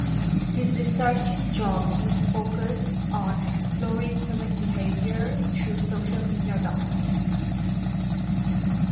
His researching job is focused on exploring human behavior through social media data.